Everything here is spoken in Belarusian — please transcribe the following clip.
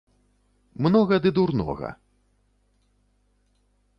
Многа ды дурнога